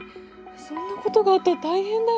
そんなことがあったら大変だよね。